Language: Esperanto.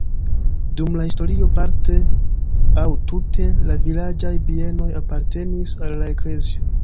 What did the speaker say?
Dum la historio parte aŭ tute la vilaĝaj bienoj apartenis al la eklezio.